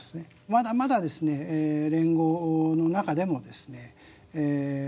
まだまだですねええ連合の中でもですね